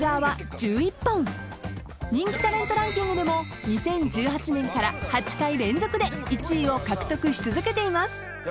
［人気タレントランキングでも２０１８年から８回連続で１位を獲得し続けています］